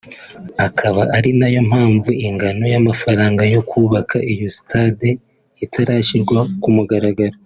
akaba ari nayo mpamvu ingano y’amafaranga yo kubaka iyo sitade itarashyirwa ku mugaragaro